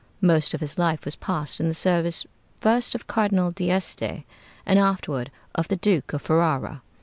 Most of his life was passed in the service first of Cardinal d'Este, and afterward of the Duke of Ferrara.